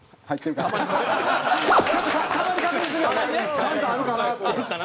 ちゃんとあるかなって。